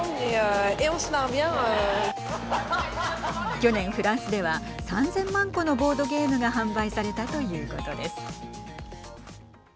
去年、フランスでは３０００万個のボードゲームが販売されたということです。